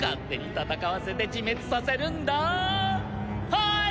はい！